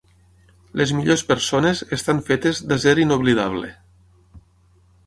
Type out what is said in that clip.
Les millors persones estan fetes d'acer inoblidable.